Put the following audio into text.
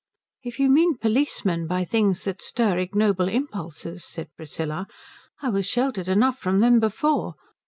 "If you mean policemen by things that stir ignoble impulses," said Priscilla, "I was sheltered enough from them before.